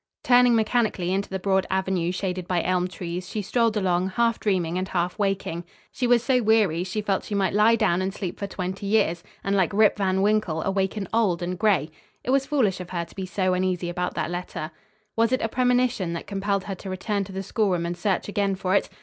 Turning mechanically into the broad avenue shaded by elm trees, she strolled along, half dreaming and half waking. She was so weary she felt she might lie down and sleep for twenty years, and like Rip Van Winkle awaken old and gray. It was foolish of her to be so uneasy about that letter. Was it a premonition that compelled her to return to the schoolroom and search again for it?